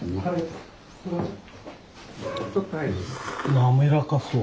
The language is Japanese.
滑らかそう。